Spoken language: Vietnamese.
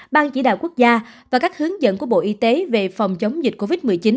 ban chỉ đạo quốc gia và các hướng dẫn của bộ y tế về phòng chống dịch covid một mươi chín